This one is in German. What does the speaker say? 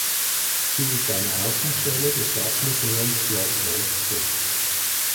Sie ist eine Außenstelle des Stadtmuseums Schloss Wolfsburg.